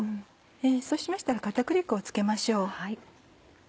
そうしましたら片栗粉を付けましょう。